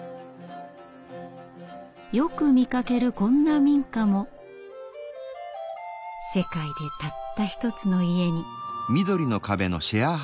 よく見かけるこんな民家も世界でたった一つの家に。